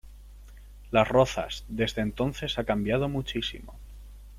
Las Rozas, desde entonces ha cambiado muchísimo.